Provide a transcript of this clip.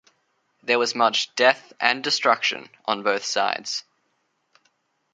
There was much death and destruction on both sides.